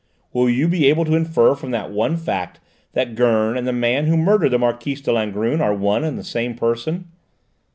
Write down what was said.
Will you be able to infer from that one fact that Gurn and the man who murdered the Marquise de Langrune are one and the same person?